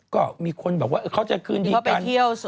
ก็มีคนบอกว่าเขาจะคืนดีกัน